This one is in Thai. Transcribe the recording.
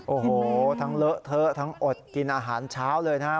โอ้โหทั้งเลอะเทอะทั้งอดกินอาหารเช้าเลยนะครับ